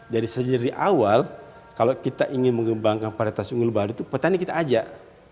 jadi sejak awal kalau kita ingin mengembangkan prioritas unggul baru itu petani kita ajak